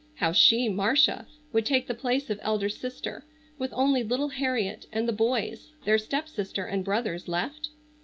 How she, Marcia, would take the place of elder sister, with only little Harriet and the boys, their stepsister and brothers, left?